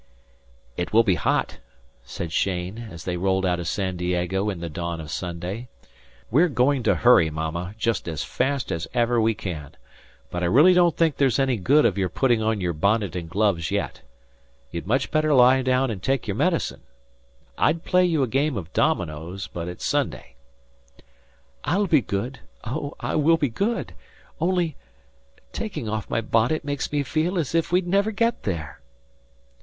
"It will be hot," said Cheyne, as they rolled out of San Diego in the dawn of Sunday. "We're going to hurry, Mama, just as fast as ever we can; but I really don't think there's any good of your putting on your bonnet and gloves yet. You'd much better lie down and take your medicine. I'd play you a game of dominoes, but it's Sunday." "I'll be good. Oh, I will be good. Only taking off my bonnet makes me feel as if we'd never get there."